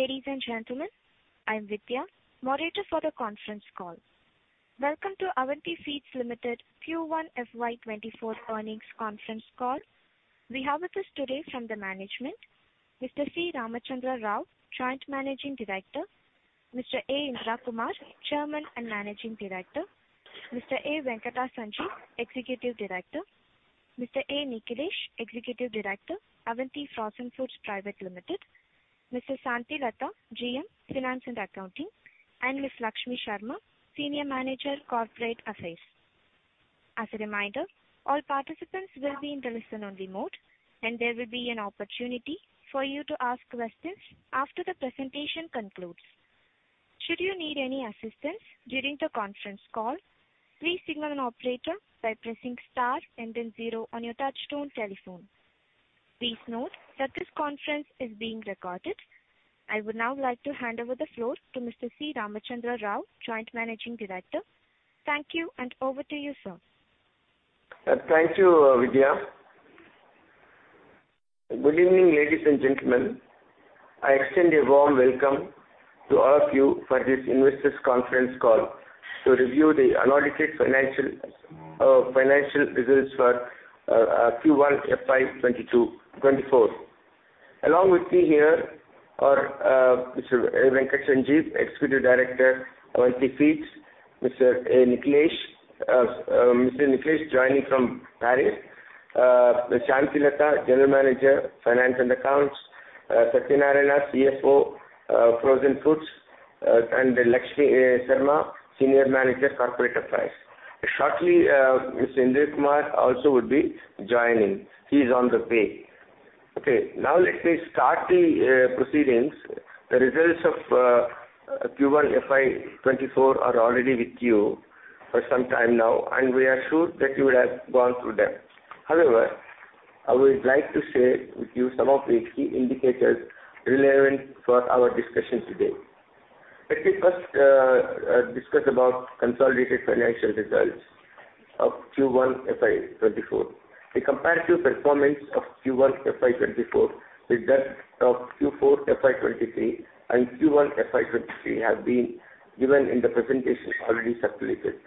Good evening, ladies and gentlemen. I'm Vidya, moderator for the conference call. Welcome to Avanti Feeds Limited Q1 FY24 earnings conference call. We have with us today from the management, Mr. C. Ramachandra Rao, Joint Managing Director, Mr. A. Indra Kumar, Chairman and Managing Director, Mr. A. Venkata Sanjeev, Executive Director, Mr. A. Nikhilesh, Executive Director, Avanti Frozen Foods Private Limited, Mr. Shantilal, GM, Finance and Accounting, and Miss Lakshmi Sharma, Senior Manager, Corporate Affairs. As a reminder, all participants will be in the listen-only mode, and there will be an opportunity for you to ask questions after the presentation concludes. Should you need any assistance during the conference call, please signal an operator by pressing star and then zero on your touchtone telephone. Please note that this conference is being recorded. I would now like to hand over the floor to Mr. C. Ramachandra Rao, Joint Managing Director. Thank you, and over to you, sir. Thank you, Vidya. Good evening, ladies and gentlemen. I extend a warm welcome to all of you for this investors' conference call to review the unaudited financial results for Q1 FY 2024. Along with me here are Mr. A. Venkata Sanjeev, Executive Director, Avanti Feeds; Mr. A. Nikhilesh, Mr. Nikhilesh joining from Paris, Shantilal, General Manager, Finance and Accounts, Satyanarayana, CFO, Frozen Foods, and Lakshmi Sharma, Senior Manager, Corporate Affairs. Shortly, Mr. Indra Kumar also would be joining. He is on the way. Okay, now let me start the proceedings. The results of Q1 FY 2024 are already with you for some time now, and we are sure that you will have gone through them. However, I would like to share with you some of the key indicators relevant for our discussion today. Let me first discuss about consolidated financial results of Q1 FY 2024. A comparative performance of Q1 FY 2024 with that of Q4 FY 2023 and Q1 FY 2023 have been given in the presentation already circulated.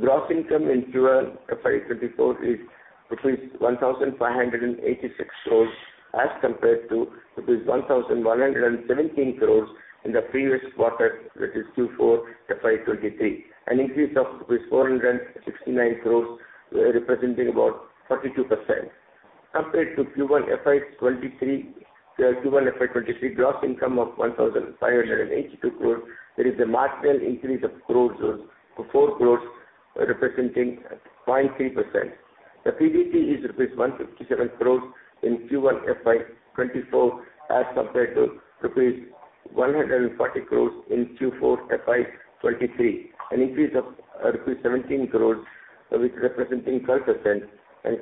Gross income in Q1 FY 2024 is 1,586 crores, as compared to 1,117 crores in the previous quarter, that is Q4 FY 2023, an increase of 469 crores, representing about 42%. Compared to Q1 FY 2023, Q1 FY 2023 gross income of 1,582 crores, there is a marginal increase of crores, 4 crores, representing 0.3%. The PBT is rupees 157 crores in Q1 FY 2024, as compared to rupees 140 crores in Q4 FY 2023, an increase of rupees 17 crores, with representing 12%.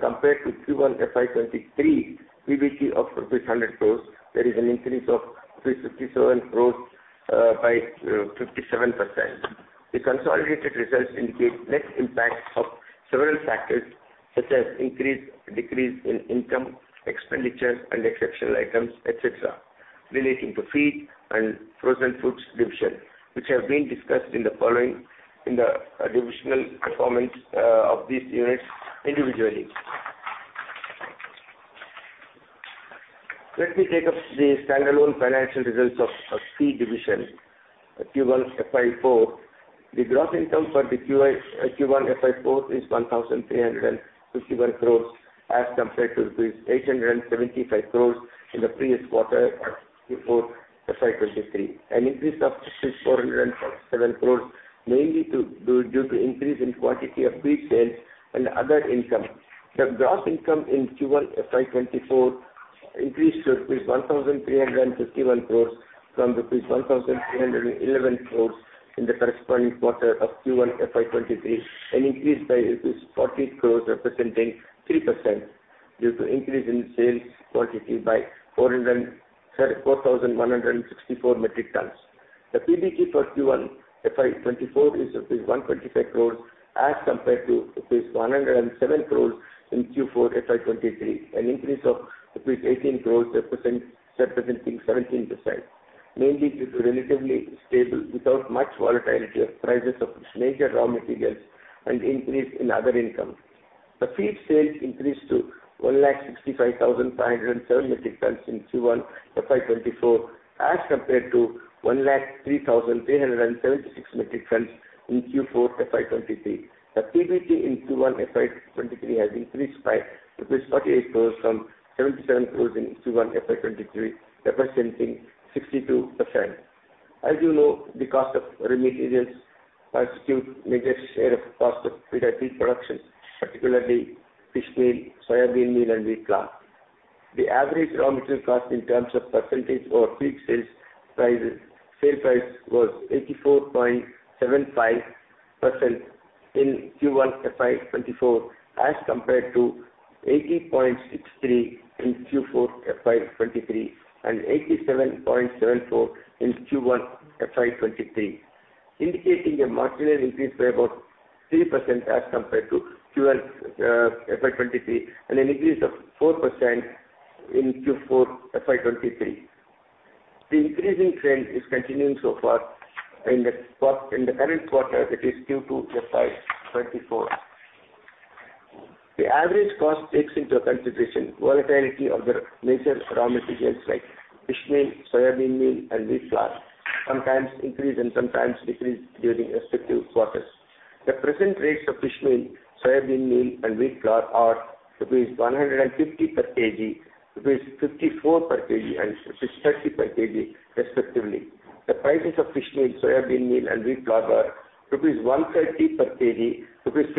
Compared to Q1 FY 2023, PBT of 100 crores, there is an increase of 57 crores, by 57%. The consolidated results indicate net impact of several factors, such as increase, decrease in income, expenditures and exceptional items, et cetera, relating to Feed and Frozen Foods division, which have been discussed in the following, in the divisional performance of these units individually. Let me take up the standalone financial results of Feed Division. At Q1 FY24, the gross income for the Q1 FY24 is 1,351 crore, as compared to 875 crore in the previous quarter of Q4 FY23. An increase of 407 crore, mainly due to increase in quantity of feed sales and other income. The gross income in Q1 FY24 increased to 1,351 crore from 1,311 crore in the corresponding quarter of Q1 FY23, an increase by 40 crore, representing 3%, due to increase in sales quantity by 404,164 metric tons. The PBT for Q1 FY 2024 is rupees 125 crores as compared to rupees 107 crores in Q4 FY 2023, an increase of rupees 18 crores, representing 17%, mainly due to relatively stable without much volatility of prices of its major raw materials and increase in other income. The feed sales increased to 165,507 metric tons in Q1 FY 2024, as compared to 103,376 metric tons in Q4 FY 2023. The PBT in Q1 FY 2023 has increased by rupees 48 crores from 77 crores in Q1 FY 2023, representing 62%. As you know, the cost of raw materials constitute major share of cost of Feed and Feed Production, particularly fish meal, soybean meal and wheat bran. The average raw material cost in terms of percentage over feed sales prices, sale price, was 84.75% in Q1 FY 2024, as compared to 80.63% in Q4 FY 2023, and 87.74% in Q1 FY 2023, indicating a marginal increase by about 3% as compared to Q1 FY 2023, and an increase of 4% in Q4 FY 2023. The increasing trend is continuing so far in the current quarter, that is, Q2 FY 2024. The average cost takes into consideration volatility of the major raw materials like fish meal, soybean meal, and wheat flour, sometimes increase and sometimes decrease during respective quarters. The present rates of fish meal, soybean meal, and wheat flour are rupees 150 per kg, rupees 54 per kg, and rupees 30 per kg, respectively. The prices of fish meal, soybean meal, and wheat flour are rupees 130 per kg, 57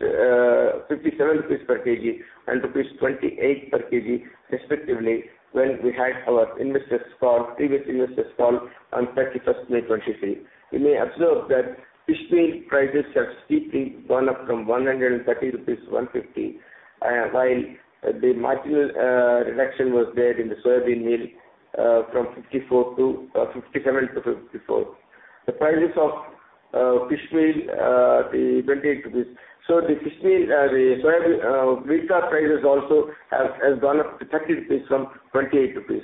rupees per kg, and rupees 28 per kg, respectively, when we had our investors call, previous investors call on 31 May 2023. You may observe that fish meal prices have steeply gone up from 130 rupees to 150, while the marginal reduction was there in the soybean meal, from 57 to 54. The prices of fish meal, the 28 rupees. The fish meal, the soybean, wheat flour prices also have, has gone up to 30 rupees per kg from 28 rupees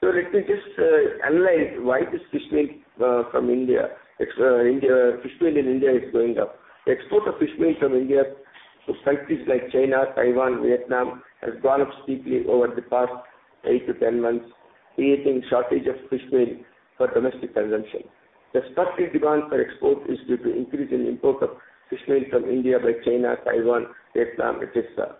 per kg. Let me just analyze why this fish meal from India. Ex-, India- fish meal in India is going up. The export of fish meal from India to countries like China, Taiwan, Vietnam, has gone up steeply over the past eight to ten months, creating shortage of fish meal for domestic consumption. The structured demand for export is due to increase in import of fish meal from India by China, Taiwan, Vietnam, et cetera.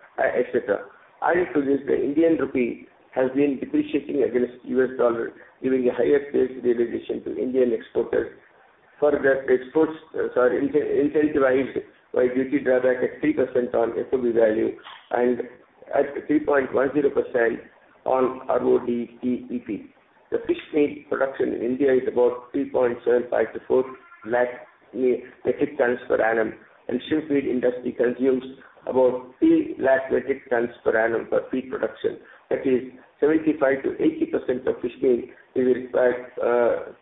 Added to this, the Indian rupee has been depreciating against the US dollar, giving a higher price realization to Indian exporters. Further, exports, sorry, incentivized by duty drawback at 3% on FOB value and at 3.10% on RODTEP. The fish meal production in India is about 3.75-4 lakh metric tons per annum, and shrimp feed industry consumes about 3 lakh metric tons per annum for feed production. That is, 75%-80% of fish meal is required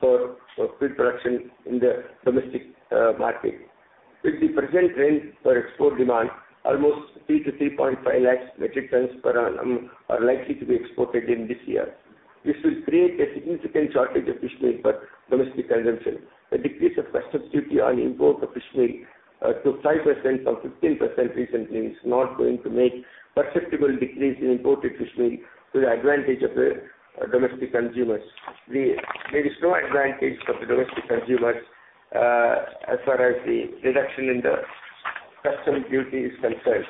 for feed production in the domestic market. With the present trend for export demand, almost 3-3.5 lakh metric tons per annum are likely to be exported in this year. This will create a significant shortage of fish meal for domestic consumption. The decrease of customs duty on import of fish meal to 5% from 15% recently is not going to make perceptible decrease in imported fish meal to the advantage of the domestic consumers. There is no advantage for the domestic consumers as far as the reduction in the customs duty is concerned.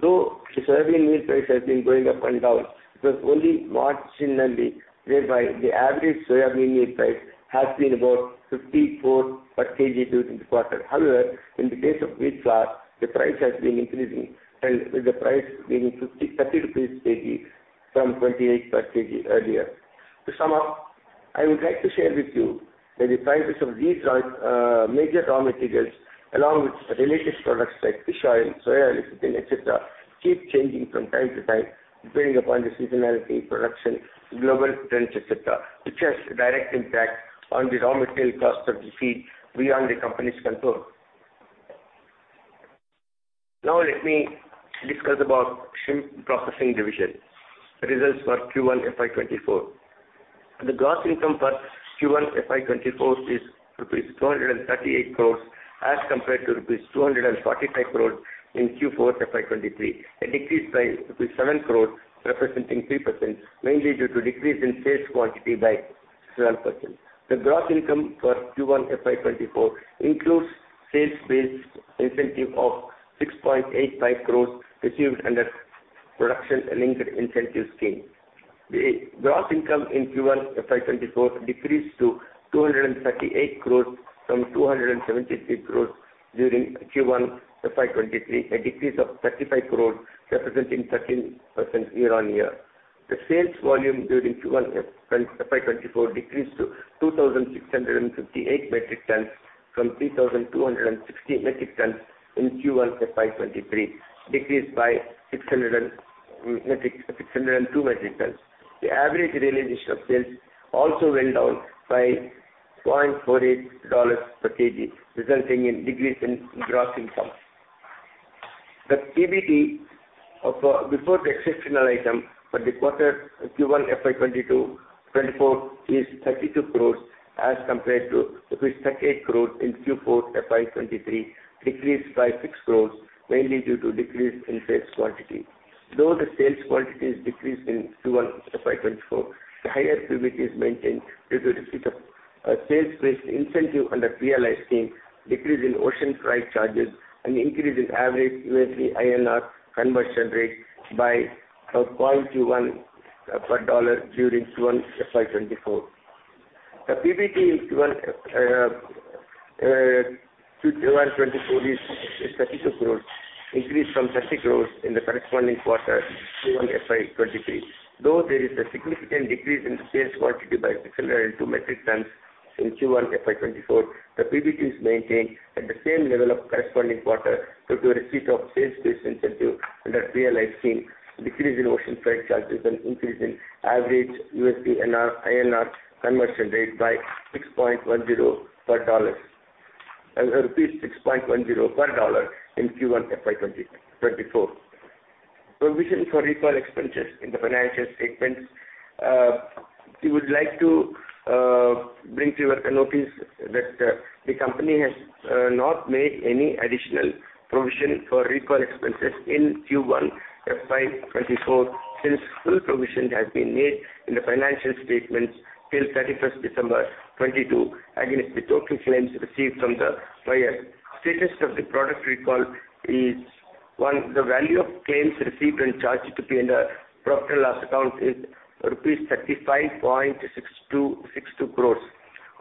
Though the soybean meal price has been going up and down, it was only marginally, whereby the average soybean meal price has been about 54 per kg during the quarter. However, in the case of wheat flour, the price has been increasing, and with the price being 53 INR/kg from 28 INR/kg earlier. To sum up, I would like to share with you that the prices of these, major raw materials, along with related products like fish oil, soya lecithin, et cetera, keep changing from time to time, depending upon the seasonality, production, global trends, et cetera, which has a direct impact on the raw material cost of the feed beyond the company's control. Now let me discuss about shrimp processing division. The results for Q1 FY 2024. The gross income for Q1 FY 2024 is rupees 238 crores, as compared to rupees 245 crores in Q4 FY 2023. A decrease by rupees 7 crores, representing 3%, mainly due to decrease in sales quantity by 7%. The gross income for Q1 FY 2024 includes sales-based incentive of 6.85 crore received under Production-Linked Incentive Scheme. The gross income in Q1 FY 2024 decreased to 238 crore from 273 crore during Q1 FY 2023, a decrease of 35 crore, representing 13% year-on-year. The sales volume during Q1 FY 2024 decreased to 2,658 metric tons from 3,260 metric tons in Q1 FY 2023, decreased by 602 metric tons. The average realization of sales also went down by $0.48 per kg, resulting in decrease in gross income. The PBT before the exceptional item for the quarter Q1 FY 2024 is 32 crore, as compared to 38 crore in Q4 FY 2023, decreased by 6 crore, mainly due to decrease in sales quantity. Though the sales quantities decreased in Q1 FY 2024, the higher PBT is maintained due to receipt of a sales-based incentive under PLI scheme, decrease in ocean freight charges, and increase in average USD INR conversion rate by 0.21 per dollar during Q1 FY 2024. The PBT in Q1 FY 2024 is 32 crore, increased from 30 crore in the corresponding quarter, Q1 FY 2023. Though there is a significant decrease in sales quantity by 602 metric tons in Q1 FY 2024, the PBT is maintained at the same level of corresponding quarter due to a receipt of sales-based incentive under PLI scheme, decrease in ocean freight charges, and increase in average USD-INR conversion rate by 6.10 per dollar, and rupees 6.10 per dollar in Q1 FY 2024. Provision for recall expenses in the financial statements, we would like to bring to your notice that the company has not made any additional provision for recall expenses in Q1 FY 2024, since full provision has been made in the financial statements till 31 December 2022, against the total claims received from the suppliers. Status of the product recall is, one, the value of claims received and charged to be in the profit and loss account is rupees 35.62 crore.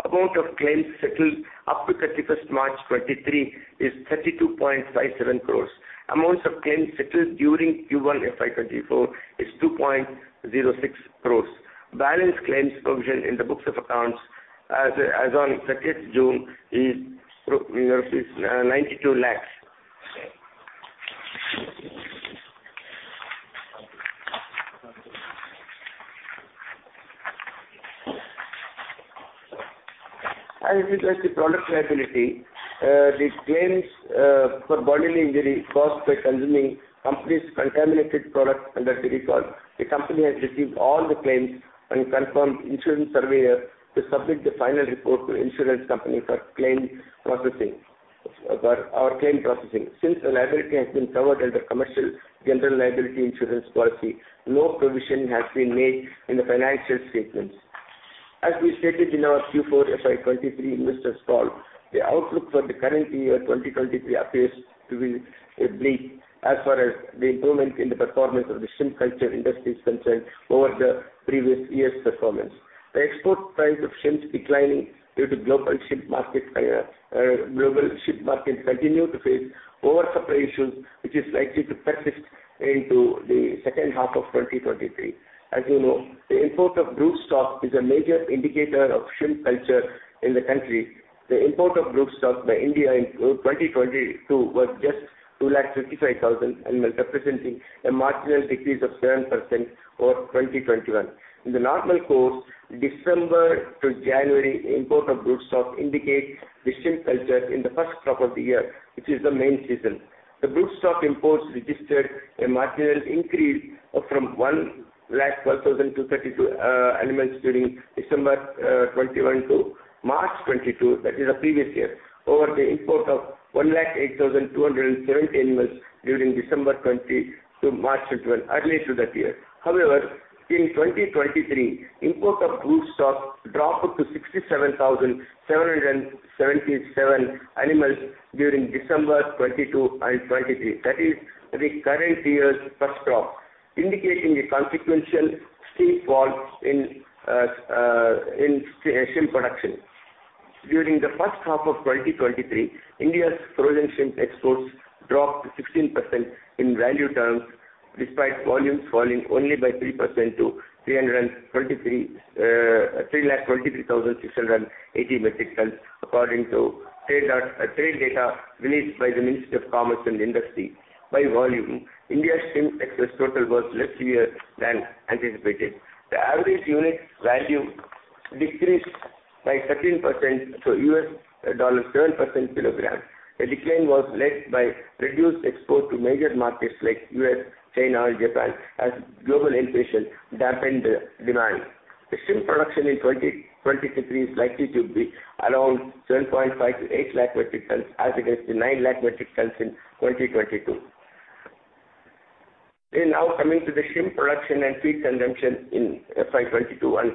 Amount of claims settled up to 31 March 2023 is 32.57 crore. Amounts of claims settled during Q1 FY 2024 is 2.06 crore. Balance claims provision in the books of accounts as on 30 June is INR 0.92 crore. I would like the product liability, the claims, for bodily injury caused by consuming company's contaminated product under the recall. The company has received all the claims and confirmed insurance surveyor to submit the final report to insurance company for claim processing, for our claim processing. Since the liability has been covered under commercial general liability insurance policy, no provision has been made in the financial statements. As we stated in our Q4 FY 2023 investors call, the outlook for the current year 2023 appears to be as bleak as far as the improvement in the performance of the shrimp culture industry is concerned over the previous year's performance. The export price of shrimps declining due to global shrimp market, global shrimp market continue to face oversupply issues, which is likely to persist into the second half of 2023. As you know, the import of broodstock is a major indicator of shrimp culture in the country. The import of broodstock by India in 2022 was just 255,000, and representing a marginal decrease of 7% over 2021. In the normal course, December to January import of broodstock indicates the shrimp culture in the first crop of the year, which is the main season. The broodstock imports registered a marginal increase from 112,032 animals during December 2021 to March 2022, that is the previous year, over the import of 108,217 animals during December 2020 to March 2021, earlier to that year. However, in 2023, import of broodstock dropped to 67,777 animals during December 2022 and 2023, that is the current year's first crop, indicating a consequential steep fall in shrimp production. During the first half of 2023, India's frozen shrimp exports dropped 16% in value terms, despite volumes falling only by 3% to 323,680 metric tons, according to trade data released by the Ministry of Commerce and Industry. By volume, India's shrimp exports total was less year than anticipated. The average unit value decreased by 13%, so $7 per kilogram. The decline was led by reduced export to major markets like US, China, Japan, as global inflation dampened the demand. The shrimp production in 2023 is likely to be around 7.5-8 lakh metric tons as against the 9 lakh metric tons in 2022. We're now coming to the shrimp production and feed consumption in FY 2022 and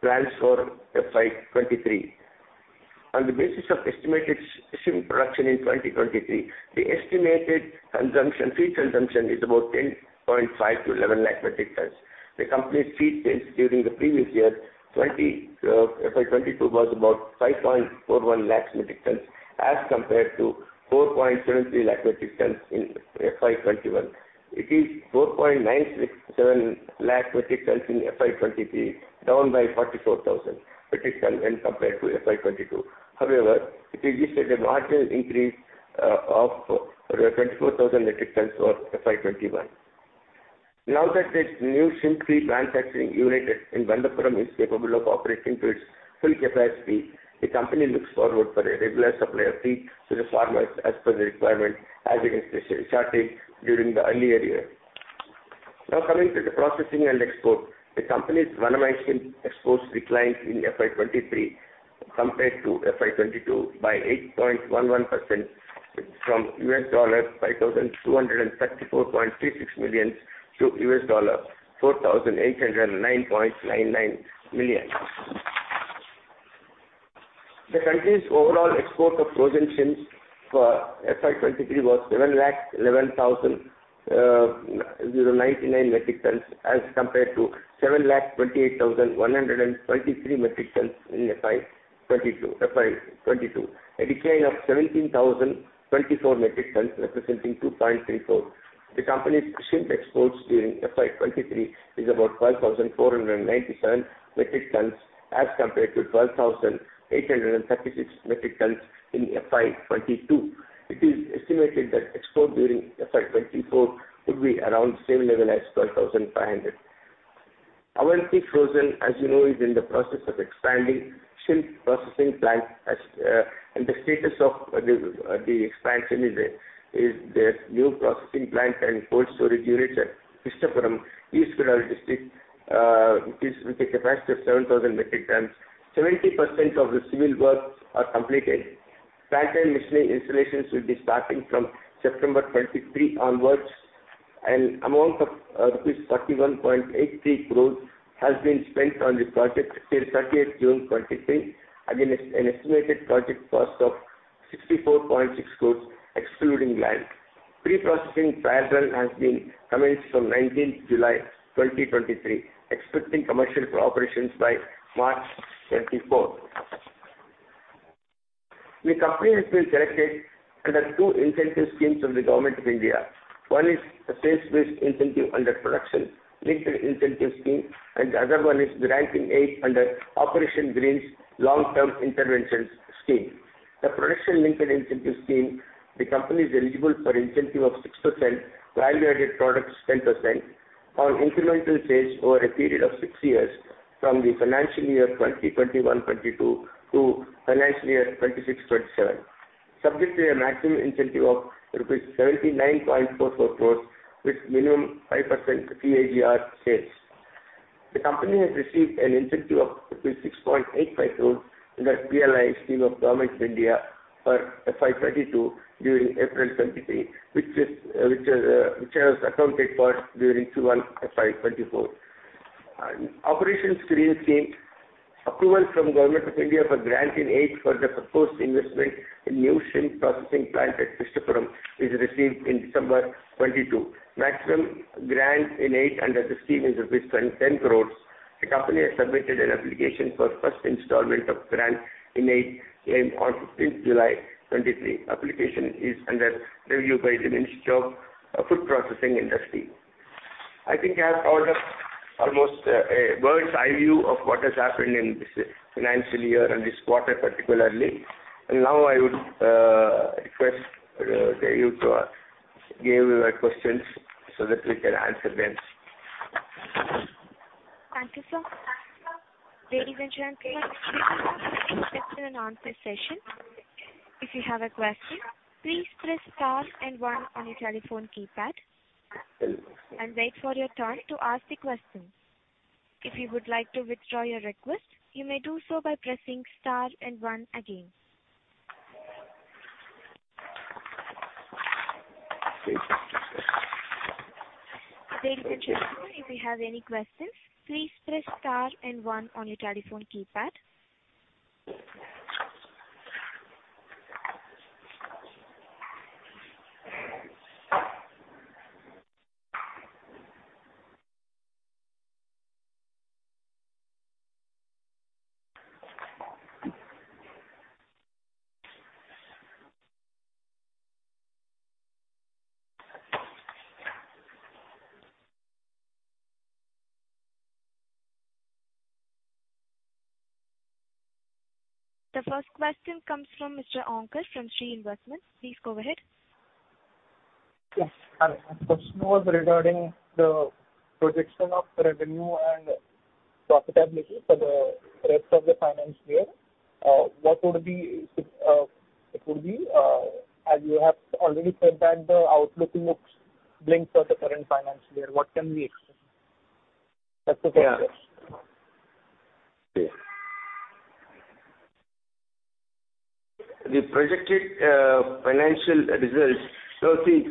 plans for FY 2023. On the basis of estimated shrimp production in 2023, the estimated consumption, feed consumption is about 10.5-11 lakh metric tons. The company's feed sales during the previous year, FY 2022, was about 5.41 lakh metric tons, as compared to 4.73 lakh metric tons in FY 2021. It is 4.967 lakh metric tons in FY 2023, down by 44,000 metric tons when compared to FY 2022. However, it is listed a marginal increase of 24,000 metric tons for FY 2021. Now that the new shrimp feed manufacturing unit in Vandavapuram is capable of operating to its full capacity, the company looks forward for a regular supply of feed to the farmers as per the requirement, as against the shortage during the earlier year. Now, coming to the processing and export. The company's vannamei shrimp exports declined in FY 2023 compared to FY 2022 by 8.11%, from $5,234.36 million to $4,809.99 million. The country's overall export of frozen shrimp for FY 2023 was 711,099 metric tons, as compared to 728,123 metric tons in FY 2022, a decline of 17,024 metric tons, representing 2.34%. The company's shrimp exports during FY 2023 is about 12,497 metric tons, as compared to 12,836 metric tons in FY 2022. It is estimated that export during FY 2024 would be around same level as 12,500. Avanti Frozen, as you know, is in the process of expanding shrimp processing plant, and the status of the expansion is the new processing plant and cold storage unit at Krishnapuram, East Godavari District, is with a capacity of 7,000 metric tons. 70% of the civil works are completed. Plant and machinery installations will be starting from September 2023 onwards, and amount of INR 31.83 crores has been spent on the project till 30th June 2023, against an estimated project cost of 64.6 crores, excluding land. Pre-processing trial has been commenced from 19th July 2023, expecting commercial operations by March 2024. The company has been selected under two incentive schemes of the Government of India. One is the sales-based incentive under Production-Linked Incentive Scheme, and the other one is the grant-in-aid under Operation Greens Long Term Interventions Scheme. The Production-Linked Incentive Scheme, the company is eligible for incentive of 6%, value-added products 10%, on incremental sales over a period of six years from the financial year 2021-22 to financial year 2026-27, subject to a maximum incentive of 79.44 crore rupees, with minimum 5% CAGR sales. The company has received an incentive of 6.85 crore in the PLI scheme of Government of India for FY 2022 during April 2023, which has accounted for during Q1 FY 2024. Operation Green Scheme, approval from Government of India for grant-in-aid for the proposed investment in new shrimp processing plant at Krishnapuram is received in December 2022. Maximum grant-in-aid under the scheme is 10 crore. The company has submitted an application for first installment of grant-in-aid on 15th July 2023. Application is under review by the Ministry of Food Processing Industries. I think I have covered up almost a bird's eye view of what has happened in this financial year and this quarter particularly. And now I would request you to give your questions so that we can answer them. Thank you, sir. Ladies and gentlemen, we will move to the question-and-answer session. If you have a question, please press star and one on your telephone keypad, and wait for your turn to ask the question. If you would like to withdraw your request, you may do so by pressing star and one again. Ladies and gentlemen, if you have any questions, please press star and one on your telephone keypad. The first question comes from Mr. Onkar from Shree Investments. Please go ahead. Yes. Hi, my question was regarding the projection of the revenue and profitability for the rest of the financial year. What would be, it would be, as you have already said that the outlook looks bleak for the current financial year, what can we expect? That's the first question. Yeah. The projected financial results. So see,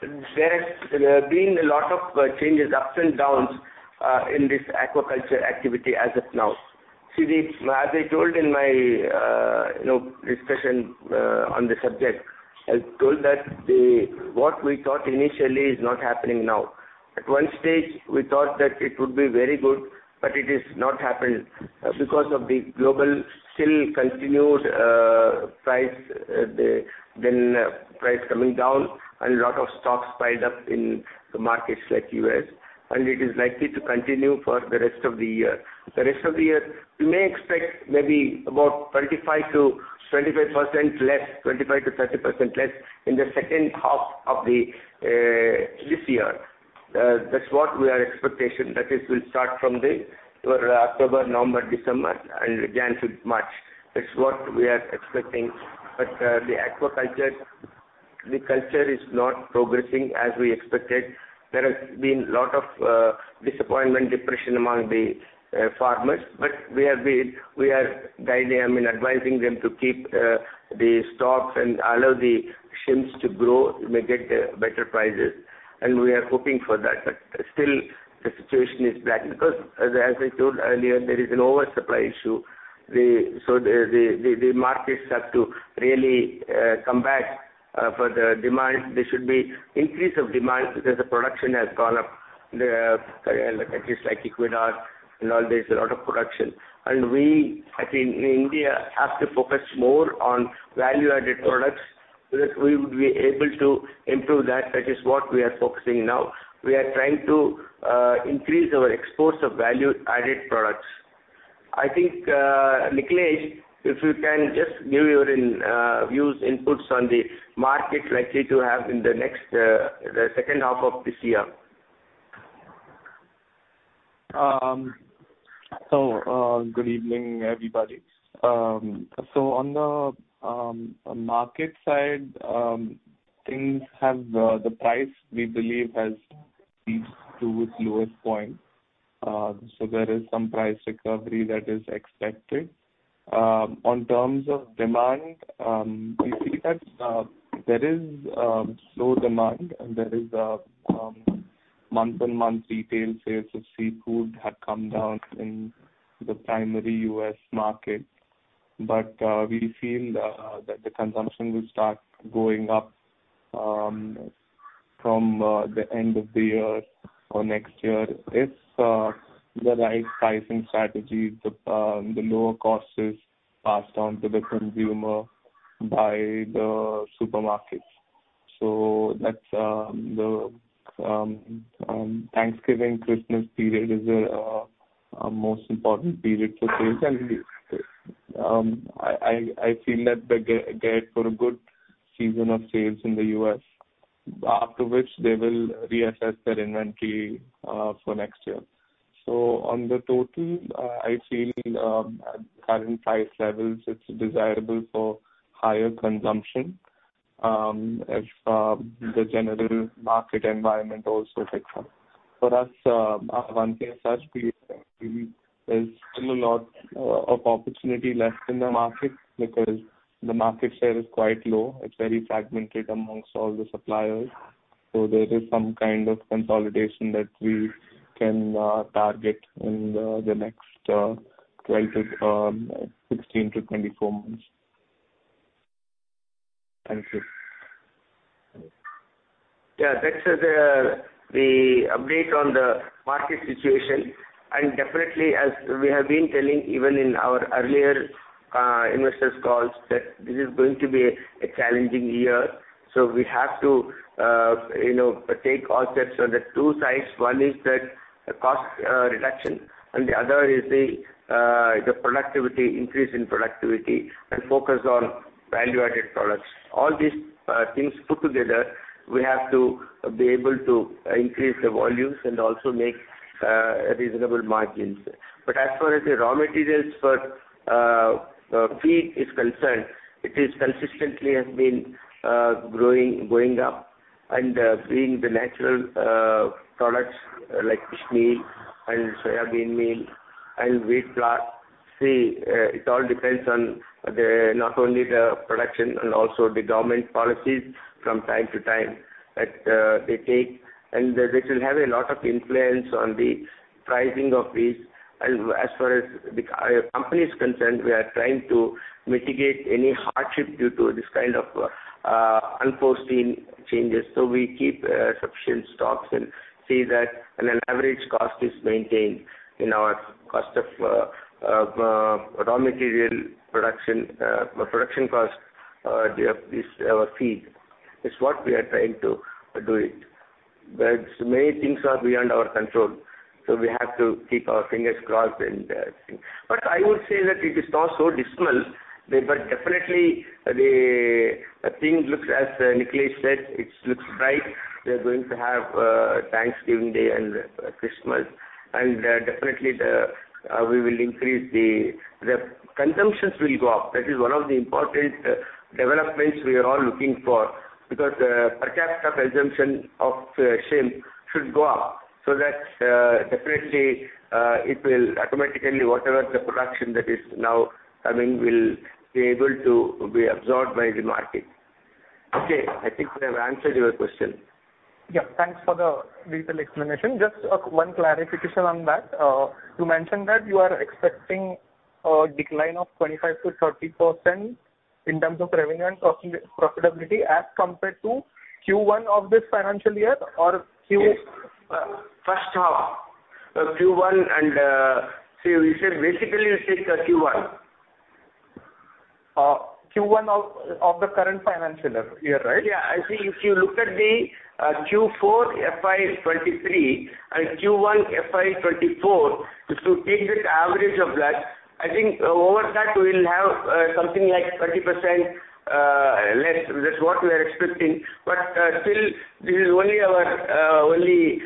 there has been a lot of changes, ups and downs in this aquaculture activity as of now. See, as I told in my, you know, discussion on the subject, I told that the what we thought initially is not happening now. At one stage, we thought that it would be very good, but it is not happened because of the global shrimp continued price, the then price coming down and a lot of stocks piled up in the markets like US, and it is likely to continue for the rest of the year. The rest of the year, we may expect maybe about 25%-25% less, 25%-30% less in the second half of the this year. That's what we are expectation, that is, will start from the your October, November, December, and again to March. That's what we are expecting. But, the aquaculture, the culture is not progressing as we expected. There has been a lot of, disappointment, depression among the, farmers. We are guiding them and advising them to keep, the stocks and allow the shrimps to grow, may get, better prices, and we are hoping for that. But still, the situation is bad, because as I told earlier, there is an oversupply issue. So the markets have to really, come back, for the demand. There should be increase of demand because the production has gone up. The countries like Ecuador and all, there's a lot of production. We, I think, in India, have to focus more on Value-Added Products, so that we would be able to improve that. That is what we are focusing now. We are trying to increase our exports of Value-Added Products. I think, Nikhilesh, if you can just give your inputs, views on the market likely to have in the next, the second half of this year. Good evening, everybody. So on the market side, things have the price, we believe, has reached to its lowest point. So there is some price recovery that is expected. In terms of demand, we see that there is slow demand, and there is month-on-month retail sales of seafood have come down in the primary US. market. But we feel that the consumption will start going up from the end of the year or next year, if the right pricing strategy, the lower cost is passed on to the consumer by the supermarkets. So that's the Thanksgiving, Christmas period is a most important period for sales. I feel that they get for a good season of sales in the US, after which they will reassess their inventory for next year. So on the total, I feel at current price levels, it's desirable for higher consumption, if the general market environment also picks up. For us, Avanti as such, there's still a lot of opportunity left in the market because the market share is quite low. It's very fragmented amongst all the suppliers, so there is some kind of consolidation that we can target in the next 12 to 16 to 24 months. Thank you. Yeah, that's the update on the market situation. And definitely, as we have been telling, even in our earlier investors calls, that this is going to be a challenging year. So we have to, you know, take all steps on the two sides. One is that the cost reduction, and the other is the productivity, increase in productivity and focus on value-added products. All these things put together, we have to be able to increase the volumes and also make reasonable margins. But as far as the raw materials for feed is concerned, it is consistently has been growing, going up. Being the natural products like fish meal and soybean meal and wheat bran, it all depends on not only the production and also the government policies from time to time that they take. This will have a lot of influence on the pricing of these. As far as the company is concerned, we are trying to mitigate any hardship due to this kind of unforeseen changes. We keep sufficient stocks and see that an average cost is maintained in our cost of raw material production, production cost, our feed. It's what we are trying to do. Many things are beyond our control, so we have to keep our fingers crossed. I would say that it is not so dismal. But definitely, the thing looks, as Nikhilesh said, it looks bright. We are going to have Thanksgiving Day and Christmas, and definitely the consumptions will go up. That is one of the important developments we are all looking for, because the per capita consumption of shrimp should go up, so that definitely it will automatically, whatever the production that is now coming, will be able to be absorbed by the market. Okay, I think we have answered your question. Yeah, thanks for the detailed explanation. Just, one clarification on that. You mentioned that you are expecting a decline of 25%-30% in terms of revenue and profitability as compared to Q1 of this financial year or Q- Yes. First half, Q1 and, see, we said basically you take Q1. Q1 of the current financial year, right? Yeah. I think if you look at the Q4 FY 2023 and Q1 FY 2024, if you take the average of that, I think over that we'll have something like 30% less. That's what we are expecting. But still, this is only our only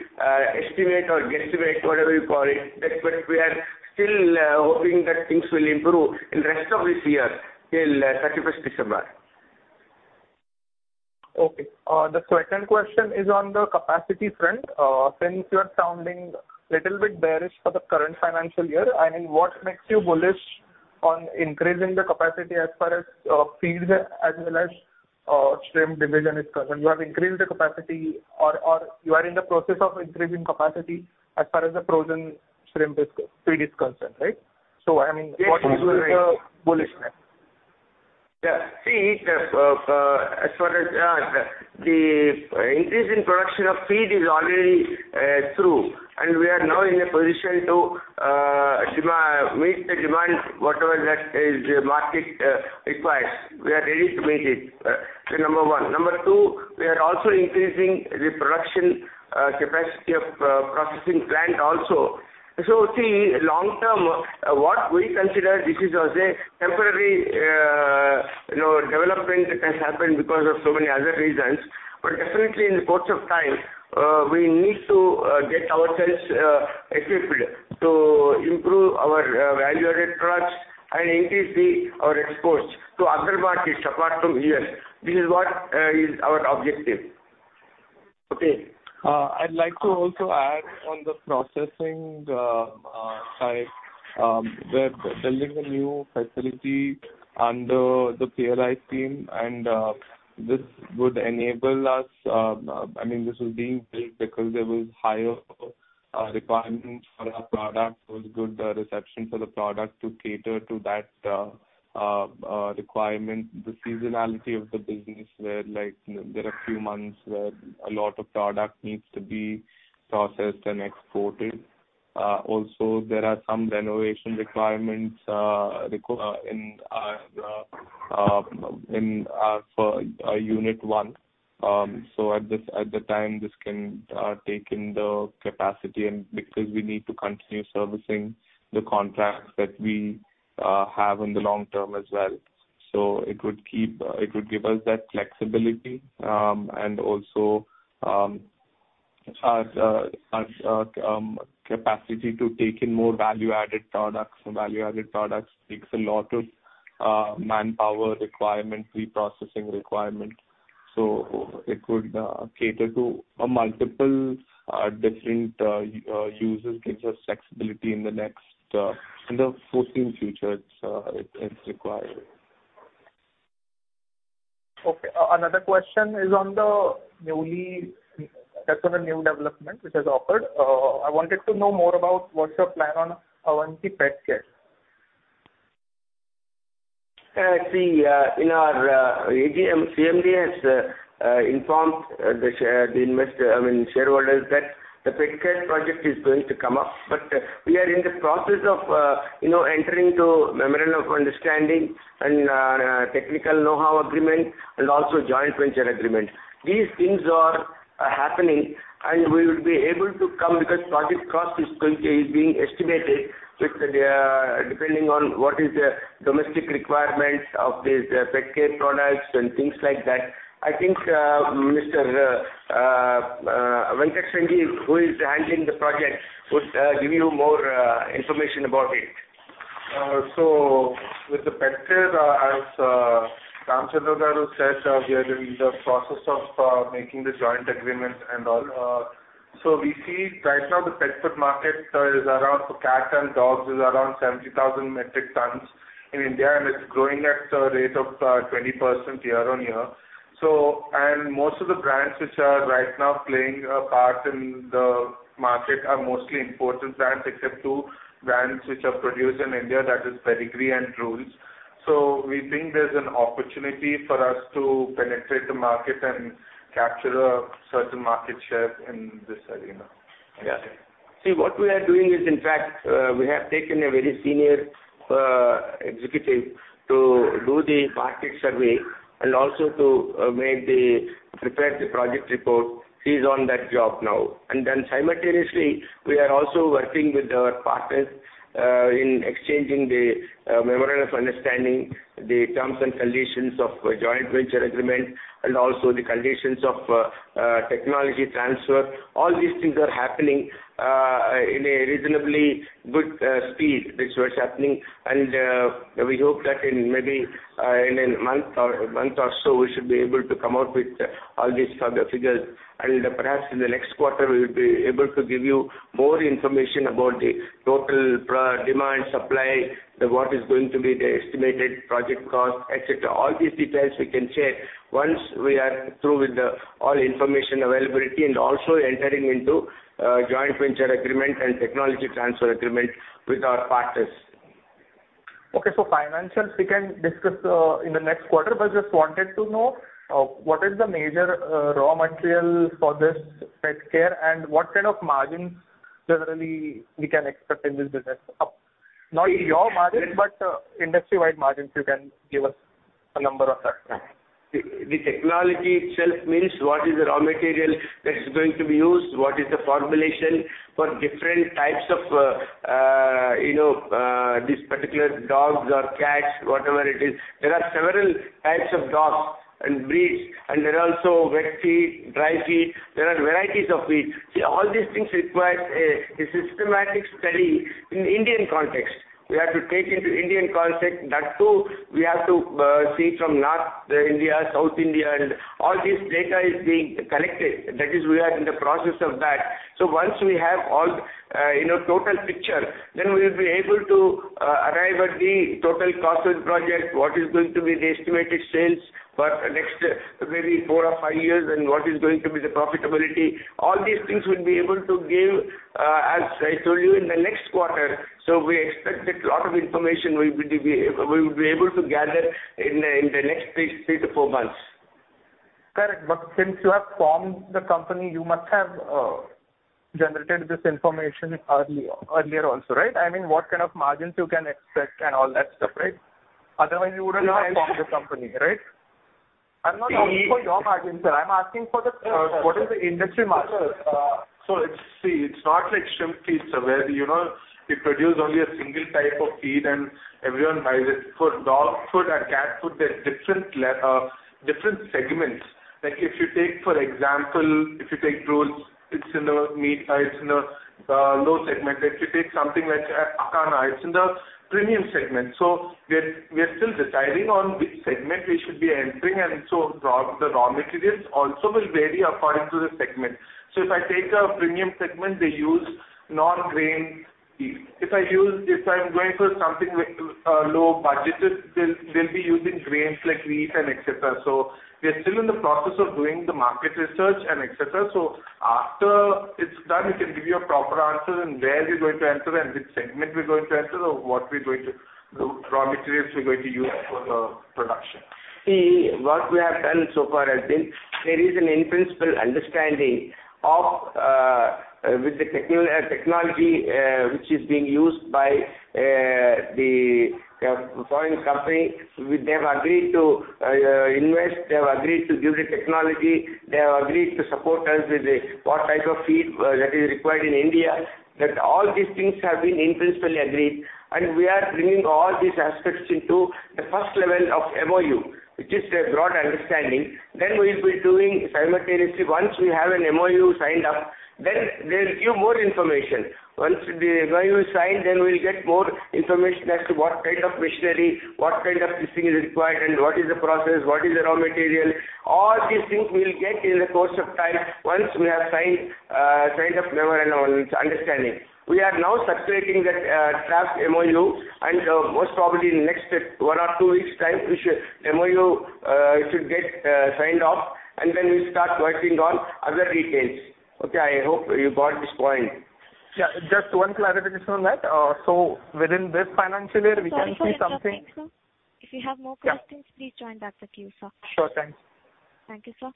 estimate or guesstimate, whatever you call it, that but we are still hoping that things will improve in the rest of this year, till 31st December. Okay. The second question is on the capacity front. Since you are sounding little bit bearish for the current financial year, I mean, what makes you bullish on increasing the capacity as far as feeds, as well as shrimp division is concerned? You have increased the capacity or, or you are in the process of increasing capacity as far as the frozen shrimp busi- feed is concerned, right? So I mean, what is the bullishness? Yeah. See, as far as the increase in production of feed is already through, and we are now in a position to meet the demand, whatever that is the market requires. We are ready to meet it, number one. Number two, we are also increasing the production capacity of processing plant also. So see, long term, what we consider, this is as a temporary, you know, development that has happened because of so many other reasons. But definitely in the course of time, we need to get ourselves equipped to improve our value-added products and increase our exports to other markets apart from US. This is what is our objective. Okay. I'd like to also add on the processing side. We're building a new facility under the PLI scheme, and this would enable us, I mean, this is being built because there was higher requirements for our product, was good reception for the product to cater to that requirement. The seasonality of the business, where, like, there are few months where a lot of product needs to be processed and exported. Also, there are some renovation requirements in Unit 1. So at the time, this can take in the capacity, and because we need to continue servicing the contracts that we have in the long term as well. It would give us that flexibility, and also us capacity to take in more value-added products. Value-added products take a lot of manpower requirement, pre-processing requirement. It would cater to multiple different users, gives us flexibility in the next, in the foreseen future, it's required. Okay. Another question is on the newly, that was a new development which has occurred. I wanted to know more about what's your plan on Avanti Pet Care? See, in our AGM, CMD has informed the share- I mean, shareholders, that the pet care project is going to come up, but we are in the process of, you know, entering into memorandum of understanding and technical know-how agreement and also joint venture agreement. These things are happening, and we will be able to come, because project cost is going to, is being estimated with the, depending on what is the domestic requirements of these pet care products and things like that. I think, Mr. Venkatesh Venky, who is handling the project, would give you more information about it. With the Petcare, as Ramchandra Garu said, we are in the process of making the joint agreement and all. We see right now, the pet food market is around for cat and dogs, is around 70,000 metric tons in India, and it's growing at a rate of 20% year on year. Most of the brands which are right now playing a part in the market are mostly imported brands, except two brands which are produced in India, that is Pedigree and Royal Canin. We think there's an opportunity for us to penetrate the market and capture a certain market share in this arena. Yeah. See, what we are doing is, in fact, we have taken a very senior executive to do the market survey and also to prepare the project report. He's on that job now. And then simultaneously, we are also working with our partners in exchanging the memorandum of understanding, the terms and conditions of joint venture agreement, and also the conditions of technology transfer. All these things are happening in a reasonably good speed, which was happening. And we hope that in maybe in a month or so, we should be able to come out with all these sort of figures. And perhaps in the next quarter, we will be able to give you more information about the total pro- demand, supply, the what is going to be the estimated project cost, et cetera. All these details we can share once we are through with the all information availability and also entering into joint venture agreement and technology transfer agreement with our partners. Okay, so financials, we can discuss in the next quarter, but just wanted to know what is the major raw material for this pet care, and what kind of margins generally we can expect in this business? Not your margin, but industry-wide margins, you can give us a number of that. The technology itself means what is the raw material that is going to be used, what is the formulation for different types of, you know, these particular dogs or cats, whatever it is. There are several types of dogs and breeds, and there are also wet feed, dry feed, there are varieties of feed. See, all these things require a systematic study in Indian context. We have to take into Indian context, that too, we have to see from North India, South India, and all this data is being collected. That is, we are in the process of that. So once we have all, you know, total picture, then we will be able to arrive at the total cost of project, what is going to be the estimated sales for the next maybe four or five years, and what is going to be the profitability. All these things we'll be able to give, as I told you, in the next quarter, so we expect that lot of information we will be able to gather in the next three to four months. Correct. But since you have formed the company, you must have generated this information early, earlier also, right? I mean, what kind of margins you can expect and all that stuff, right? Otherwise, you wouldn't have formed the company, right? I'm not asking for your margin, sir. I'm asking for the, what is the industry margin? See, it's not like shrimp feed, sir, where, you know, we produce only a single type of feed, and everyone buys it. For dog food and cat food, there are different segments. Like, if you take, for example, if you take Royal Canin, it's in the meat, it's in the low segment. If you take something like Acana, it's in the premium segment. We're still deciding on which segment we should be entering, and the raw materials also will vary according to the segment. If I take a premium segment, they use non-grain feed. If I'm going for something like low budgeted, they'll be using grains like wheat and et cetera. We are still in the process of doing the market research and et cetera. So after it's done, we can give you a proper answer, and where we're going to enter, and which segment we're going to enter, or what we're going to, the raw materials we're going to use for the production. See, what we have done so far has been, there is an in-principle understanding of, with the technology, which is being used by the foreign company. They have agreed to invest, they have agreed to give the technology, they have agreed to support us with the what type of feed that is required in India. That all these things have been in-principle agreed, and we are bringing all these aspects into the first level of MOU, which is a broad understanding. Then we'll be doing simultaneously, once we have an MOU signed up, then they'll give more information. Once the MOU is signed, then we'll get more information as to what kind of machinery, what kind of fishing is required, and what is the process, what is the raw material. All these things we will get in the course of time, once we have signed, signed up memorandum, it's understanding. We are now circulating that, draft MOU, and, most probably in the next one or two weeks' time, we should MOU, it should get, signed off, and then we start working on other details. Okay, I hope you got this point. Yeah, just one clarification on that. So within this financial year, we can see something- Sorry for interrupting, sir. If you have more questions, please join back the queue, sir. Sure, thanks. Thank you, sir.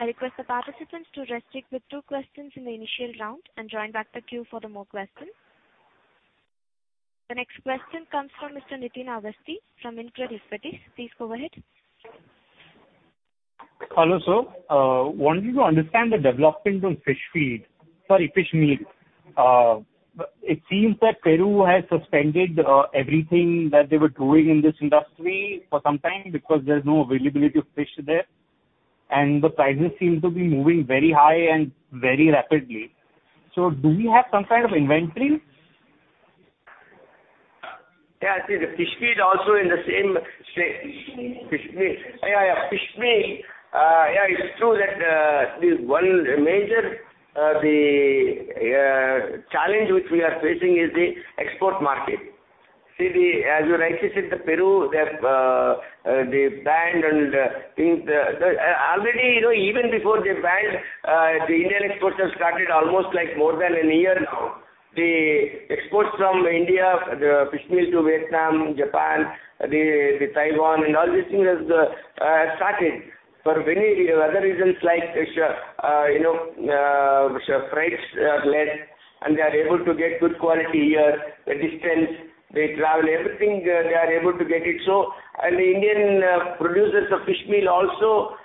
I request the participants to restrict with two questions in the initial round and join back the queue for the more questions. The next question comes from Mr. Nitin Awasthi from InCred Equities. Please go ahead. Hello, sir. Wanted to understand the developments on fish feed, sorry, fish meal. It seems that Peru has suspended everything that they were doing in this industry for some time because there's no availability of fish there, and the prices seem to be moving very high and very rapidly. So do we have some kind of inventory? Yeah, I see. The fish feed is also in the same state. Fish meal. Fish meal. Yeah, yeah, fish meal, yeah, it's true that, this one major, the, challenge which we are facing is the export market. See, as you rightly said, Peru, they have, they banned and, things, already, you know, even before they banned, the Indian exports have started almost like more than a year now. The exports from India, the fish meal to Vietnam, Japan, the, the Taiwan, and all these things has, started for many other reasons, like, you know, freights are less, and they are able to get good quality here, the distance, they travel, everything, they are able to get it. So, and the Indian producers of fish meal also,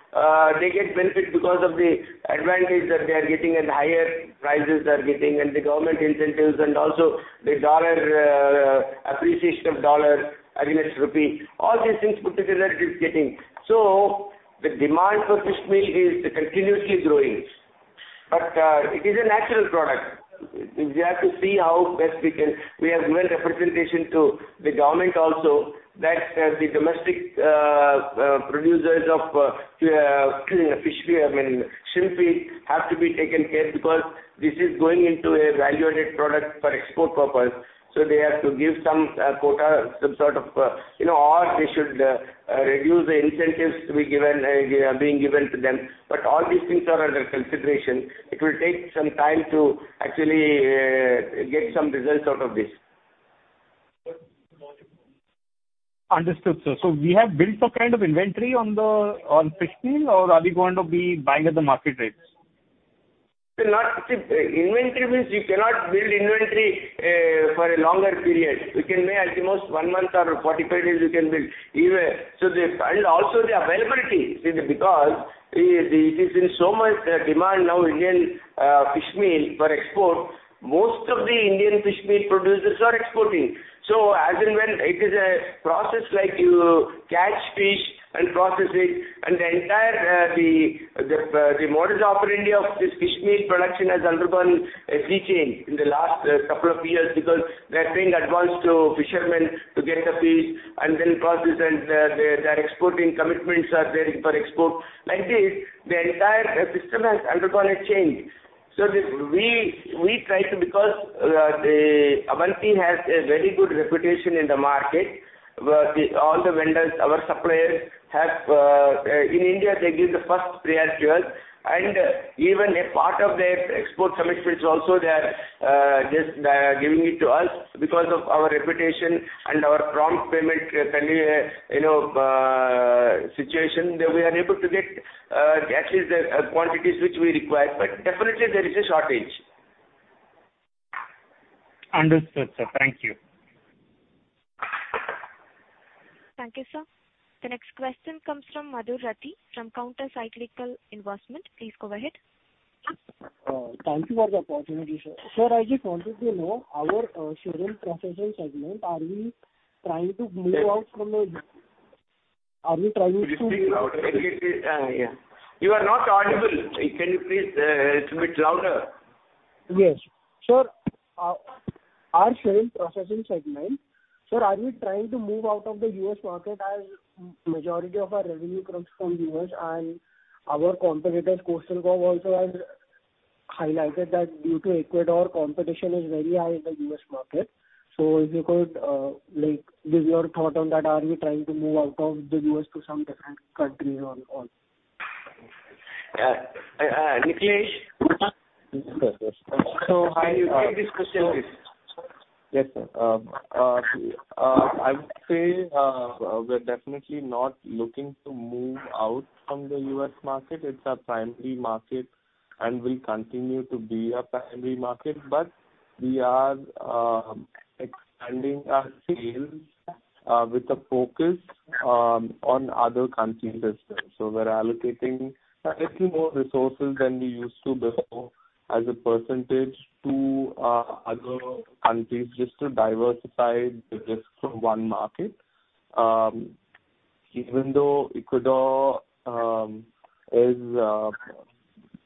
they get benefit because of the advantage that they are getting and higher prices they are getting, and the government incentives, and also the dollar appreciation of the US dollar against the rupee. All these things put together, it is getting. So the demand for fish meal is continuously growing. But it is a natural product. We have to see how best we can. We have made a presentation to the government also, that the domestic producers of fish meal, I mean, shrimp feed, have to be taken care, because this is going into a value-added product for export purpose. So they have to give some quota, some sort of, you know, or they should reduce the incentives to be given, being given to them. But all these things are under consideration. It will take some time to actually get some results out of this. Understood, sir. So we have built some kind of inventory on fish meal, or are we going to be buying at the market rates? No, see, inventory means you cannot build inventory for a longer period. You can, may, at the most, one month or 45 days you can build. Even, so the, and also the availability, see, because it is in so much demand now, Indian fish meal for export, most of the Indian fish meal producers are exporting. So as and when, it is a process like you catch fish and process it, and the entire modus operandi of this fish meal production has undergone a sea change in the last couple of years. Because they are paying advance to fishermen to get the fish, and then process, and they, their exporting commitments are there for export. Like this, the entire system has undergone a change. So we try to, because the Avanti has a very good reputation in the market, where all the vendors, our suppliers have. In India, they give the first priority to us, and even a part of their export commitments also, they are just giving it to us because of our reputation and our prompt payment, you know, situation, that we are able to get at least the quantities which we require. But definitely, there is a shortage. Understood, sir. Thank you. Thank you, sir. The next question comes from Madhur Rathi from Countercyclical Investment. Please go ahead. Thank you for the opportunity, sir. Sir, I just wanted to know our shrimp processing segment, are we trying to move out from the- Are we trying to- Could you speak louder? Yeah. You are not audible. Can you please speak louder? Yes. Sir, our shrimp processing segment, sir, are we trying to move out of the US market, as majority of our revenue comes from US, and our competitors, Coastal Corporation, also has highlighted that due to Ecuador, competition is very high in the US market. So if you could, like, give your thought on that. Are we trying to move out of the US to some different countries or all? Nikhilesh? So how you take this question, please. Yes, sir. I would say we're definitely not looking to move out from the US market. It's our primary market, and will continue to be our primary market, but we are expanding our sales with a focus on other countries as well. So we're allocating a little more resources than we used to before, as a percentage to other countries, just to diversify the risk from one market. Even though Ecuador is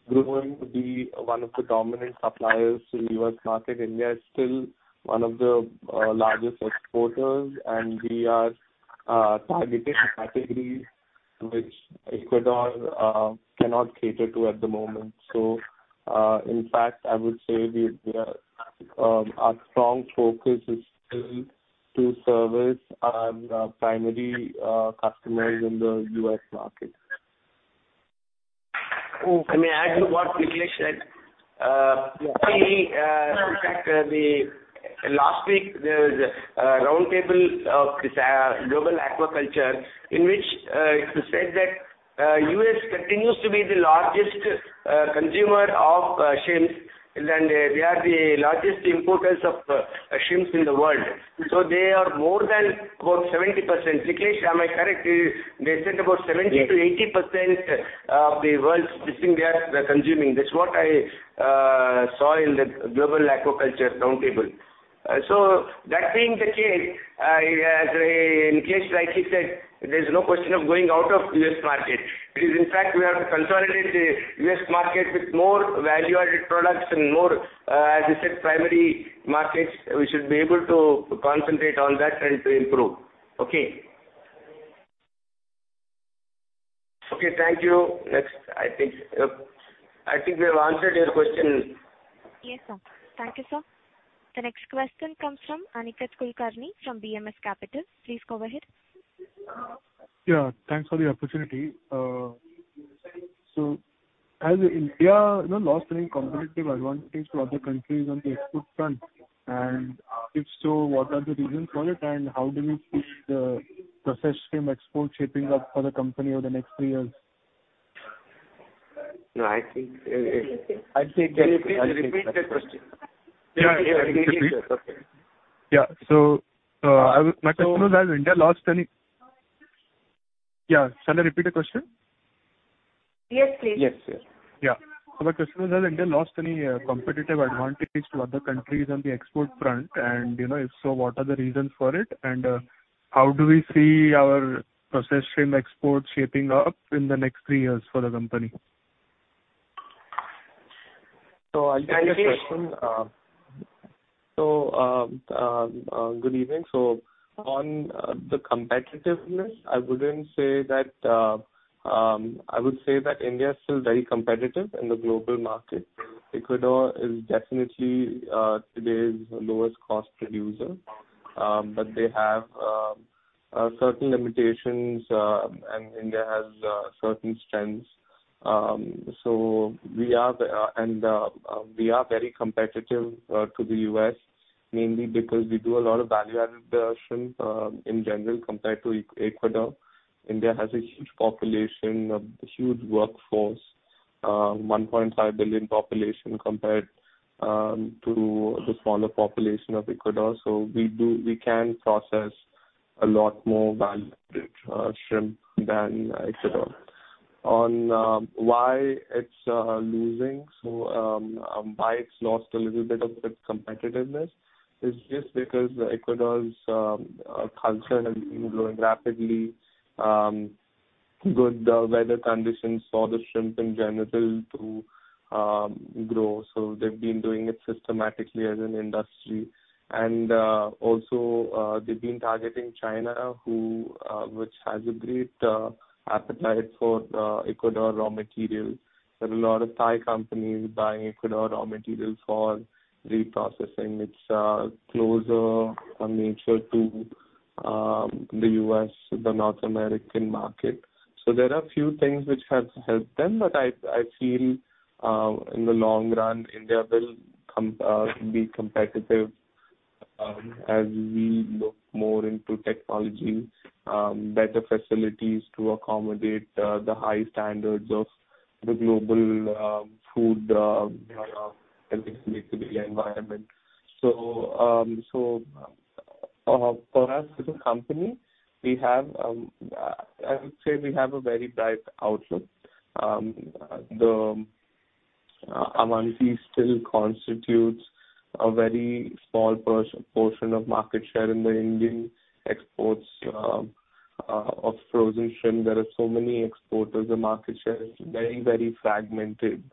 growing to be one of the dominant suppliers to US market, India is still one of the largest exporters, and we are targeting categories which Ecuador cannot cater to at the moment. So, in fact, I would say we are our strong focus is still to service our primary customers in the US market. Oh, I may add to what Nikhilesh said. Mainly, in fact, the last week there was a round table of this global aquaculture in which it was said that US continues to be the largest consumer of shrimps, and they are the largest importers of shrimps in the world. So they are more than about 70%. Nikhilesh, am I correct? They said about 70%-80% of the world's fishing they are consuming. That's what I saw in the Global Aquaculture Round Table. So that being the case, I in case like he said, there's no question of going out of US market. It is in fact, we have to consolidate the US market with more value-added products and more, as you said, primary markets. We should be able to, to concentrate on that and to improve. Okay? Okay, thank you. Next, I think, I think we have answered your question. Yes, sir. Thank you, sir. The next question comes from Aniket Kulkarni, from BMS Capital. Please go ahead. Yeah, thanks for the opportunity. So has India, you know, lost any competitive advantage to other countries on the export front? And, if so, what are the reasons for it, and how do you see the processed shrimp export shaping up for the company over the next three years? No, I think, I think that- Please repeat the question. Yeah. Repeat. Yeah. So, I, my question is, has India lost any. Yeah. Shall I repeat the question? Yes, please. Yes, yes. Yeah. My question is, has India lost any competitive advantage to other countries on the export front? And, you know, if so, what are the reasons for it, and how do we see our processed shrimp exports shaping up in the next three years for the company? I'll take the question. Good evening. On the competitiveness, I wouldn't say that. I would say that India is still very competitive in the global market. Ecuador is definitely today's lowest cost producer, but they have certain limitations, and India has certain strengths. So we are very competitive to the US, mainly because we do a lot of value-added shrimp in general, compared to Ecuador. India has a huge population, a huge workforce, 1.5 billion population, compared to the smaller population of Ecuador. So we can process a lot more value shrimp than Ecuador. Why it's lost a little bit of its competitiveness is just because Ecuador's culture has been growing rapidly. Good weather conditions for the shrimp in general to grow, so they've been doing it systematically as an industry. And also, they've been targeting China, which has a great appetite for the Ecuador raw material. There are a lot of Thai companies buying Ecuador raw materials for reprocessing. It's closer in nature to the US, the North American market. So there are a few things which have helped them, but I feel in the long run, India will be competitive as we look more into technology, better facilities to accommodate the high standards of export the global food environment. For us as a company, we have, I would say we have a very bright outlook. Avanti still constitutes a very small portion of market share in the Indian exports of frozen shrimp. There are so many exporters. The market share is very, very fragmented.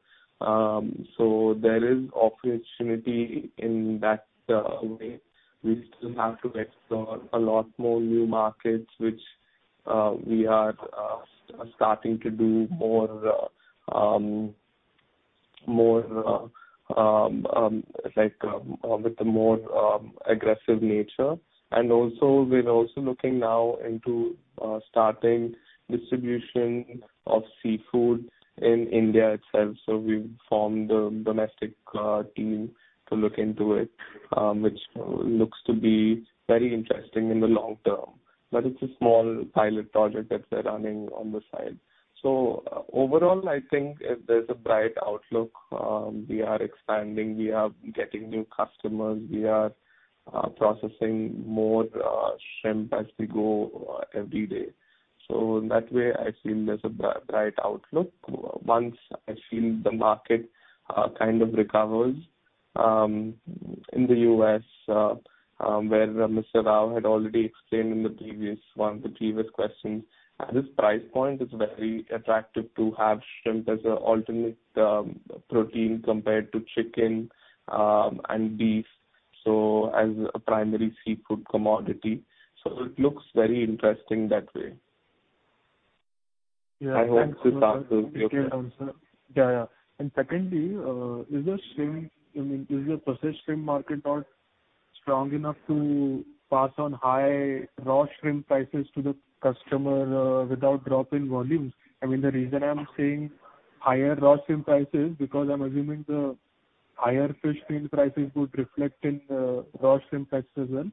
So there is opportunity in that way. We still have to explore a lot more new markets, which we are starting to do more, more like with a more aggressive nature. And also, we're also looking now into starting distribution of seafood in India itself, so we've formed a domestic team to look into it, which looks to be very interesting in the long term. But it's a small pilot project that we're running on the side. So overall, I think there's a bright outlook. We are expanding, we are getting new customers, we are processing more shrimp as we go every day. So in that way, I feel there's a bright outlook. Once I feel the market kind of recovers in the US, where Mr. Rao had already explained in the previous one, the previous question, at this price point, it's very attractive to have shrimp as an alternate protein compared to chicken and beef, so as a primary seafood commodity. So it looks very interesting that way. Yeah. I hope this answers your question. Yeah, yeah. And secondly, is the shrimp, I mean, is the processed shrimp market not strong enough to pass on high raw shrimp prices to the customer, without drop in volumes? I mean, the reason I'm saying higher raw shrimp prices, because I'm assuming the higher fish shrimp prices would reflect in the raw shrimp prices as well.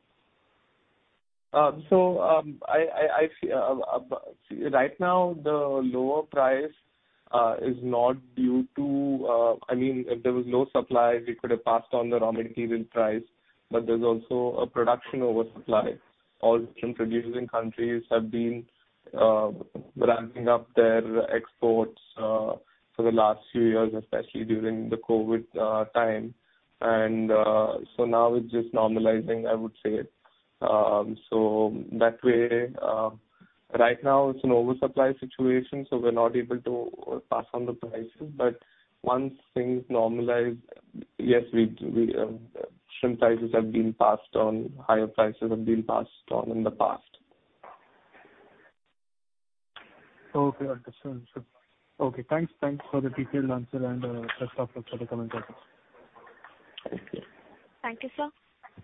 So, I see right now, the lower price is not due to, I mean, if there was low supply, we could have passed on the raw material price, but there's also a production oversupply. All shrimp-producing countries have been ramping up their exports for the last few years, especially during the COVID time, and so now it's just normalizing, I would say. So that way, right now it's an oversupply situation, so we're not able to pass on the prices, but once things normalize, yes, shrimp prices have been passed on, higher prices have been passed on in the past. Okay, understood. Okay, thanks. Thanks for the detailed answer and best of luck for the coming quarters. Thank you. Thank you, sir.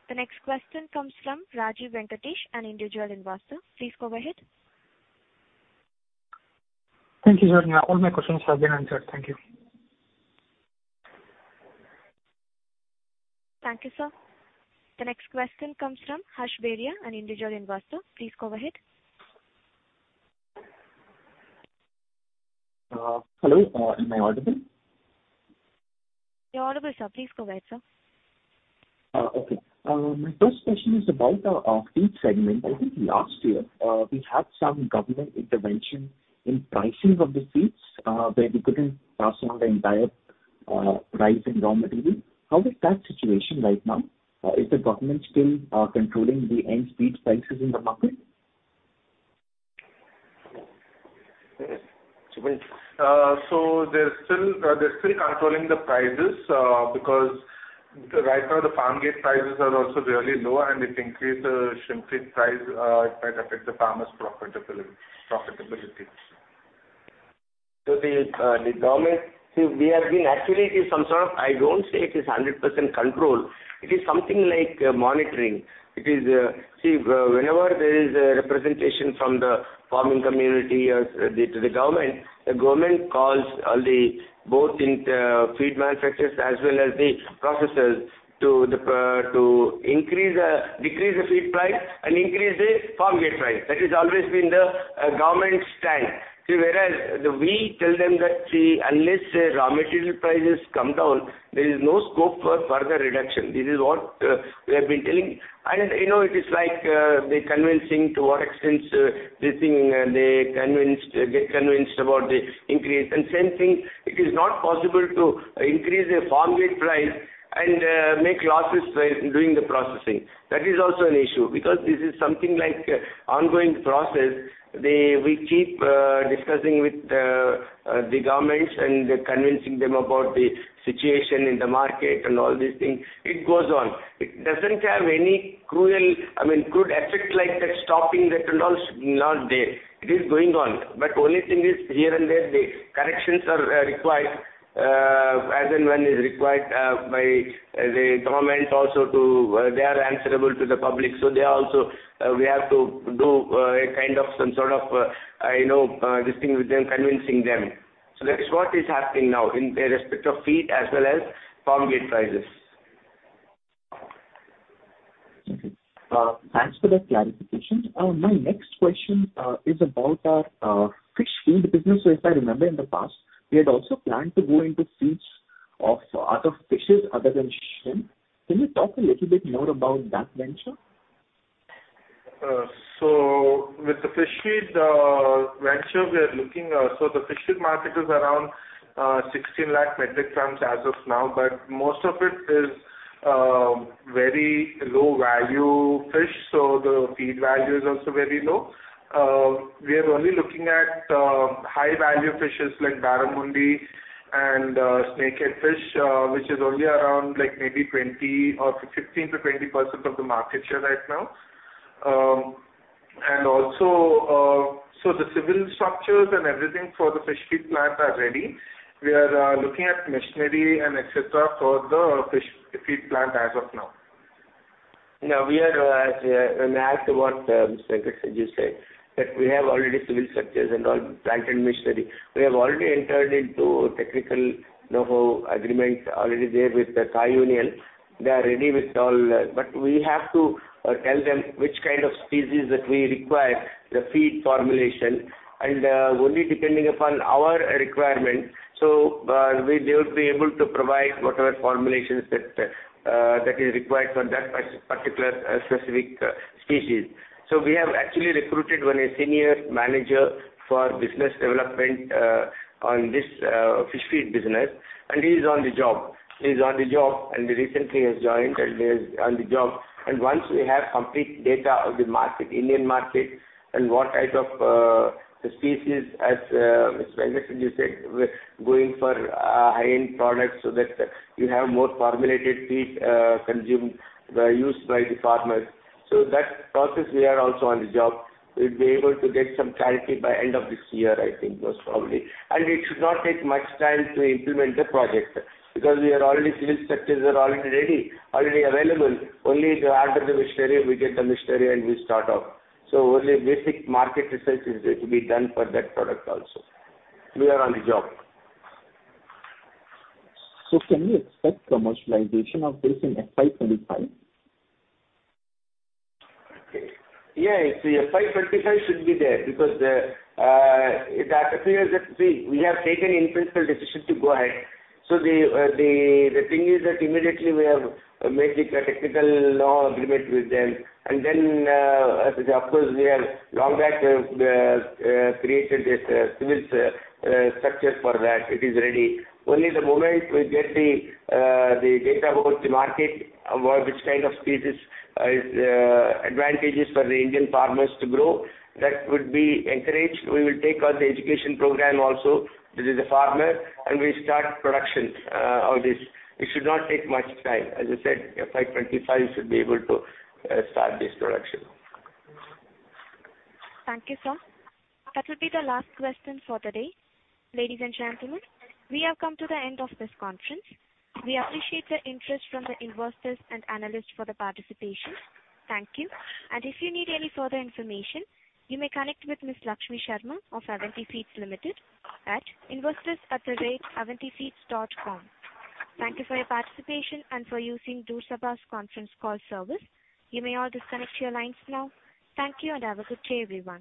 The next question comes from Rajiv Venkatesh, an individual investor. Please go ahead. Thank you, sir. All my questions have been answered. Thank you. Thank you, sir. The next question comes from Harsh Beria, an individual investor. Please go ahead. Hello, am I audible? You're audible, sir. Please go ahead, sir. Okay. My first question is about our feed segment. I think last year we had some government intervention in pricing of the feeds where we couldn't pass on the entire price in raw material. How is that situation right now? Is the government still controlling the end feed prices in the market? So they're still, they're still controlling the prices, because right now the farm gate prices are also really low, and it increase the shrimp feed price, it might affect the farmers profitability, profitability. So the, the government, so we have been actually, it is some sort of, I don't say it is 100% control. It is something like, monitoring. It is, see, whenever there is a representation from the farming community as, the, to the government, the government calls all the, both in, feed manufacturers as well as the processors to the pr- to increase, decrease the feed price and increase the farm gate price. That is always been the, government's stand. See, whereas we tell them that, "See, unless the raw material prices come down, there is no scope for further reduction." This is what, we have been telling. And, you know, it is like, the convincing to what extent, this thing, they convinced, get convinced about the increase. Same thing, it is not possible to increase the farm gate price and make losses while doing the processing. That is also an issue, because this is something like an ongoing process. We keep discussing with the governments and convincing them about the situation in the market and all these things. It goes on. It doesn't have any cruel, I mean, crude effect like that, stopping that and all, not there. It is going on, but only thing is, here and there, the corrections are required, as and when is required, by the government also to, they are answerable to the public, so they are also, we have to do a kind of some sort of, I know, this thing with them, convincing them. That is what is happening now in respect of feed as well as farm gate prices. Thanks for the clarification. My next question is about our fish feed business. So if I remember in the past, we had also planned to go into seeds of other fishes other than shrimp. Can you talk a little bit more about that venture? So with the fish feed venture, we are looking, so the fish feed market is around 1,600,000 metric tons as of now, but most of it is very low value fish, so the feed value is also very low. We are only looking at high value fishes like barramundi and snakehead fish, which is only around, like maybe 20% or 15%-20% of the market share right now. And also, so the civil structures and everything for the fish feed plant are ready. We are looking at machinery and et cetera for the fish feed plant as of now. Now, we are, may I add to what Mr. Venkat Sanjeev just said, that we have already civil structures and all plant and machinery. We have already entered into technical know-how agreement already there with the Thai Union. They are ready with all, but we have to tell them which kind of species that we require, the feed formulation, and only depending upon our requirement. So, they will be able to provide whatever formulations that that is required for that particular specific species. So we have actually recruited one, a senior manager for business development on this fish feed business, and he is on the job. He is on the job, and he recently has joined, and he is on the job. Once we have complete data of the market, Indian market, and what type of the species, as Mr. Venkat Sanjeev just said, we're going for high-end products so that you have more formulated feed consumed, used by the farmers. So that process, we are also on the job. We'll be able to get some clarity by end of this year, I think, most probably. And it should not take much time to implement the project, because we are already, civil structures are already ready, already available. Only the order the machinery, we get the machinery and we start off. So only basic market research is yet to be done for that product also. We are on the job. Can we expect commercialization of this in FY 25? Okay. Yeah, I see FY 25 should be there, because it appears that we have taken in-principle decision to go ahead. So the thing is that immediately we have made the technical law agreement with them. And then, of course, we have long back created this civil structure for that. It is ready. Only the moment we get the data about the market, about which kind of species is advantageous for the Indian farmers to grow, that would be encouraged. We will take on the education program also. This is the farmer, and we start production on this. It should not take much time. As I said, FY 25 should be able to start this production. Thank you, sir. That will be the last question for the day. Ladies and gentlemen, we have come to the end of this conference. We appreciate the interest from the investors and analysts for the participation. Thank you. If you need any further information, you may connect with Ms. Lakshmi Sharma of Avanti Feeds Limited at investors@avantifeeds.com. Thank you for your participation and for using Do Saba's conference call service. You may all disconnect your lines now. Thank you, and have a good day, everyone.